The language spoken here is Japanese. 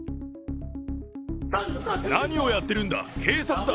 何をやってるんだ、警察だ！